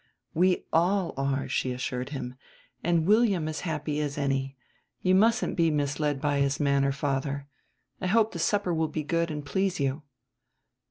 "We all are," she assured him, "and William as happy as any. You mustn't be misled by his manner, father. I hope the supper will be good and please you."